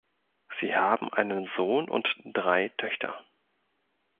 Sie haben einen Sohn und drei Töchter.